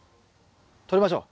とりましょう。